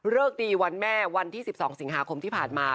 ดีวันแม่วันที่๑๒สิงหาคมที่ผ่านมา